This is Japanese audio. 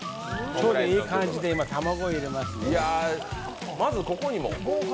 ちょうどいい感じで卵入れますね。